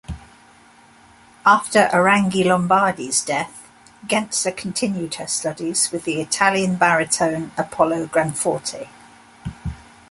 After Arangi-Lombardi's death, Gencer continued her studies with the Italian baritone Apollo Granforte.